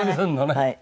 はい。